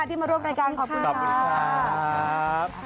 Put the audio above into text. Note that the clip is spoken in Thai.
ที่มาร่วมรายการขอบคุณค่ะรับบุญค่ะ